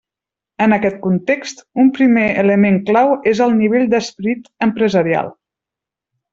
En aquest context, un primer element clau és el nivell d'esperit empresarial.